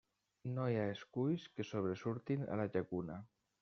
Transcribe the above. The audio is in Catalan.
No hi ha esculls que sobresurtin a la llacuna.